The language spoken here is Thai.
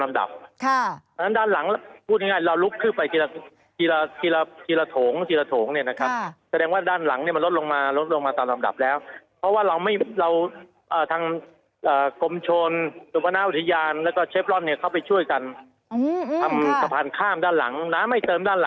มีคำว่าโครงตัวนี่แสดงว่า